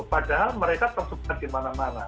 padahal mereka tersebut ada dimana mana